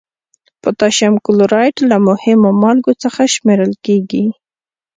پوتاشیم کلورایډ له مهمو مالګو څخه شمیرل کیږي.